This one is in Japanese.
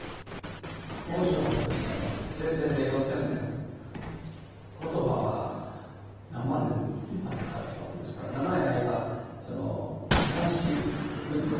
文字を発明したのはせいぜいで４，０００年言葉は何万年前からだと思いますから長い間その話聞くという言葉しかなかった。